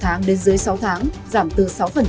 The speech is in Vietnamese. tháng đến dưới sáu tháng giảm từ sáu phần